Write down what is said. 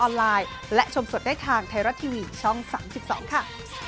ใช่นักก็เซเว่นเลยนะคุณผู้ชมนะ